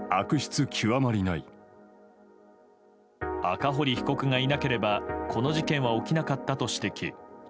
赤堀被告がいなければこの事件は起きなかったと指摘。